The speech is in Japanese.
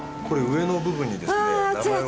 これ上の部分にですね。